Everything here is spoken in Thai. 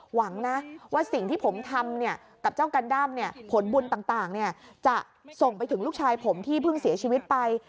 หวังนะว่าสิ่งที่ผมทำกับเจ้ากันด้ำผลบุญต่างจะส่งไปถึงลูกชายผมที่เพิ่งเสียชีวิตไป